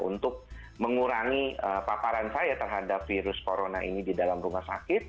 untuk mengurangi paparan saya terhadap virus corona ini di dalam rumah sakit